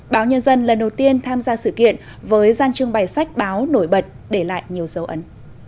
báo nhân dân lần đầu tiên tham gia sự kiện với gian trưng bày sách báo nổi bật để lại nhiều dấu ấn